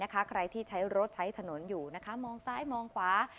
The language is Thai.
ใครที่ใช้รถใช้ถนนอยู่มองซ้ายมองขวา